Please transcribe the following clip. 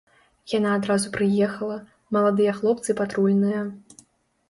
Яна адразу прыехала, маладыя хлопцы патрульныя.